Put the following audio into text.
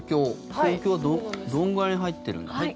東京はどんぐらいに入ってるんだ？